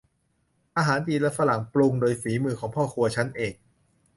อาหารจีนและฝรั่ง ปรุงโดยฝีมือของพ่อครัวชั้นเอก